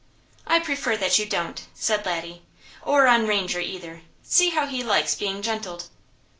"I prefer that you don't," said Laddie, "or on Ranger either. See how he likes being gentled."